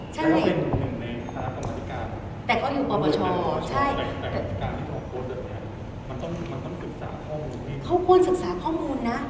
แต่อย่างการที่เขาขอดัสเนี้ยมันต้องศึกษาข้อมูลนี้นะครับเขาควรศึกษาข้อมูลนะ